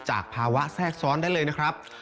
จากภาวะแทรกซ้อนได้เลยนะครับ